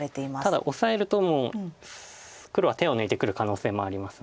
ただオサえるともう黒は手を抜いてくる可能性もありますので。